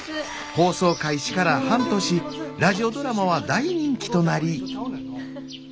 放送開始から半年ラジオドラマは大人気となり。